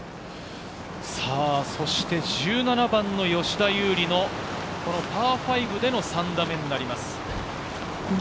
そして１７番の吉田優利のパー５での３打目になります。